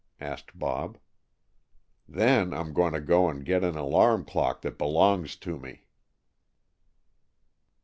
asked Bob. "Then I'm going to go and get an alarm clock that belongs to me."